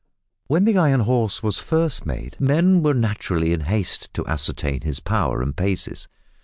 When the iron horse was first made, men were naturally in haste to ascertain his power and paces.